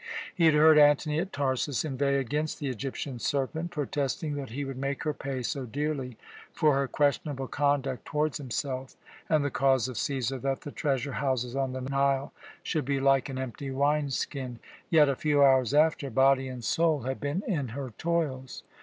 He had heard Antony at Tarsus inveigh against "the Egyptian serpent," protesting that he would make her pay so dearly for her questionable conduct towards himself and the cause of Cæsar that the treasure houses on the Nile should be like an empty wine skin; yet, a few hours after, body and soul had been in her toils.